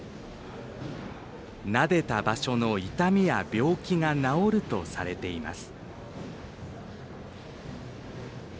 なでた場所の痛みや病気が治るとされています。